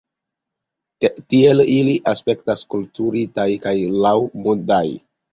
Tiel ili aspektas kulturitaj kaj laŭmodaj.